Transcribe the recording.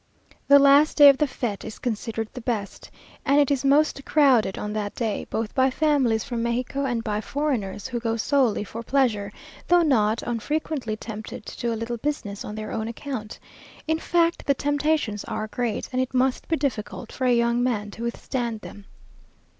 The last day of the fête is considered the best, and it is most crowded on that day, both by families from Mexico and by foreigners who go solely for pleasure, though not unfrequently tempted to do a little business on their own account. In fact, the temptations are great; and it must be difficult for a young man to withstand them.